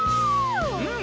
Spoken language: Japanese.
うん。